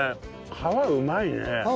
皮うまいね。